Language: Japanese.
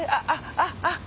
あっあっ。